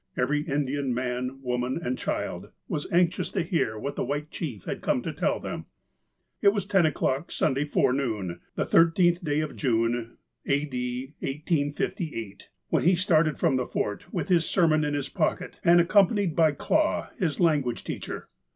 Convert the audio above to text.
Every Indian man, woman, and child was anxious to hear what the white chief had come to tell them. It was ten o'clock Sunday forenoon, the 13th day of June, A.D. 1858, when he started from the Fort, with his sermon in his pocket, and, accompanied by Clah, his language teacher.